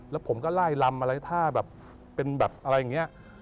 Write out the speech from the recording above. แล้วผมก็ไล่ลำอะไรถ้าแบบเป็นแบบอะไรอย่างนี้